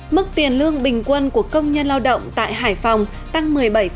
mức tiền lương bình quân của công nhân lao động tại hải phòng tăng một mươi bảy